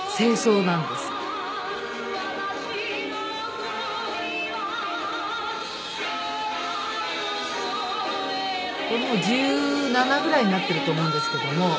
「空を染めて」これもう１７ぐらいになっていると思うんですけども。